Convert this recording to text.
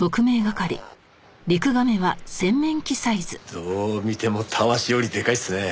どう見てもタワシよりでかいっすね。